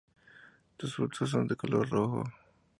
Los frutos son de color rojo.